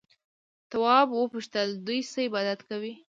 تواب وپوښتل دوی د څه عبادت کوي؟